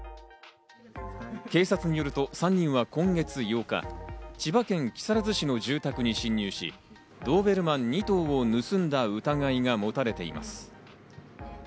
警察によると３人は今月８日、千葉県木更津市の住宅に侵入し、ドーベルマン２頭を盗んだ疑いが持たれています。